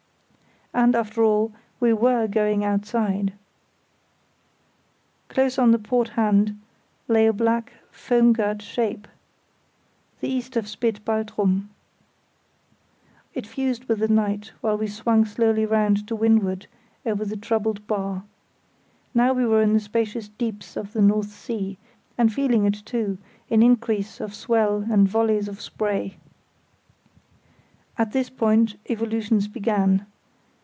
And, after all, we were going outside. Close on the port hand lay a black foam girt shape, the east spit of Baltrum. It fused with the night, while we swung slowly round to windward over the troubled bar. Now we were in the spacious deeps of the North Sea; and feeling it too in increase of swell and volleys of spray. At this point evolutions began.